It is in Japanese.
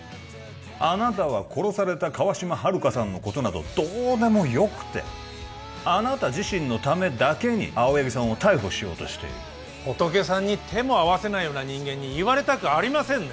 あなたは殺された川島春香さんのことなどどうでもよくてあなた自身のためだけに青柳さんを逮捕しようとしている仏さんに手も合わせないような人間に言われたくありませんね